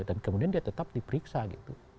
dan kemudian dia tetap diperiksa gitu